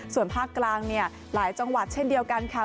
ส่วนภาคกลางเนี่ยหลายจังหวัดเช่นเดียวกันค่ะ